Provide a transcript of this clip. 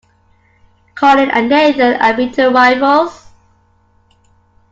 Colin and Nathan are bitter rivals.